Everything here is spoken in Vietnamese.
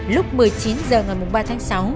lúc một mươi chín h ngày ba tháng sáu